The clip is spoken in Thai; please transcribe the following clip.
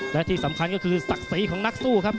และที่สำคัญก็คือศักดิ์ศรีของนักสู้ครับ